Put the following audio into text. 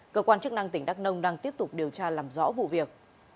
cơ quan chức năng tỉnh đắk nông đang tiếp tục điều tra làm rõ vụ việc